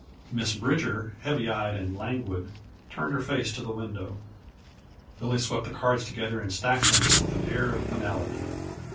Miss Bridger, heavy eyed and languid, turned her face to the window; Billy swept the cards together and stacked them with an air of finality.